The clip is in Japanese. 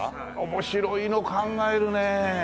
面白いの考えるね。